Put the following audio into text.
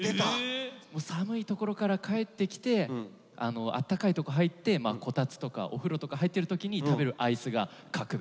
寒いところから帰ってきてあったかいとこ入ってこたつとかお風呂とか入ってる時に食べるアイスが格別です。